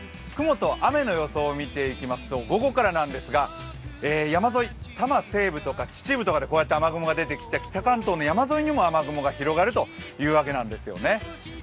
雲と雨の予想を見ていきますと午後からなんですが、山沿い、多摩西部とか秩父で雨雲が出てきて北関東の山沿いにも雨雲が広がるという訳なんですよね。